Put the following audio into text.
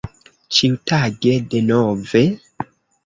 Ĉiutage denove?